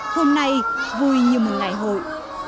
hôm nay vui như một ngày hội